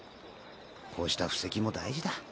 こうした布石も大事だ。